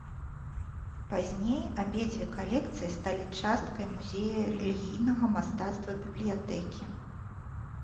Пазней абедзве калекцыі сталі часткай музея рэлігійнага мастацтва бібліятэкі.